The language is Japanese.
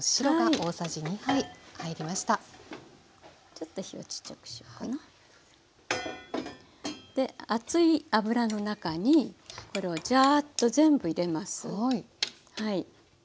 ちょっと火をちっちゃくしようかな。で熱い油の中にこれをジャーッと全部入れます。